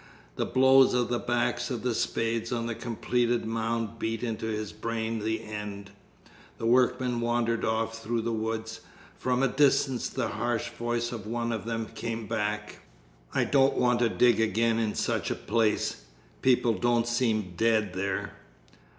The blows of the backs of the spades on the completed mound beat into his brain the end. The workmen wandered off through the woods. From a distance the harsh voice of one of them came back: "I don't want to dig again in such a place. People don't seem dead there."